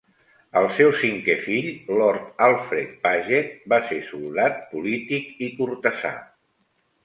El seu cinquè fill, Lord Alfred Paget, va ser soldat, polític i cortesà.